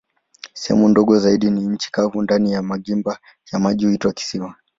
Sehemu ndogo zaidi za nchi kavu ndani ya magimba ya maji huitwa kisiwa.